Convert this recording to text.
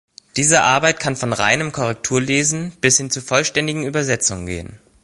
Diese Arbeit kann von reinem Korrekturlesen bis hin zu vollständigen Übersetzungen gehen.